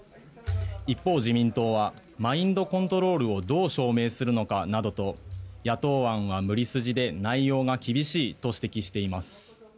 一方、自民党はマインドコントロールをどう証明するのかなどと野党案は無理筋で内容が厳しいと指摘しています。